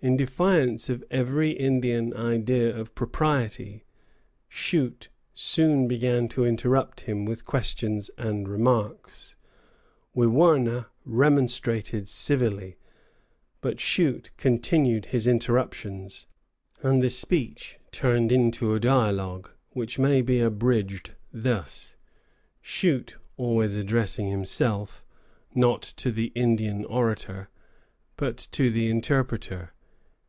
In defiance of every Indian idea of propriety, Shute soon began to interrupt him with questions and remarks. Wiwurna remonstrated civilly; but Shute continued his interruptions, and the speech turned to a dialogue, which may be abridged thus, Shute always addressing himself, not to the Indian orator, but to the interpreter.